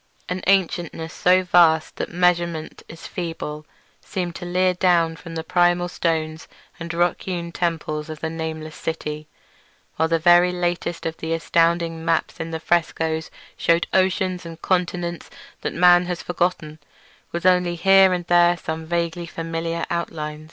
An ancientness so vast that measurement is feeble seemed to leer down from the primal stones and rock hewn temples in the nameless city, while the very latest of the astounding maps in the frescoes shewed oceans and continents that man has forgotten, with only here and there some vaguely familiar outline.